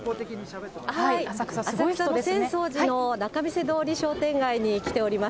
浅草、浅草寺の仲見世通り商店街に来ております。